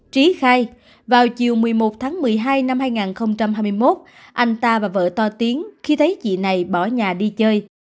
trí khai vào chiều một mươi một tháng một mươi hai năm hai nghìn hai mươi một anh ta và vợ to tiếng khi thấy chị này bỏ nhà đi chơi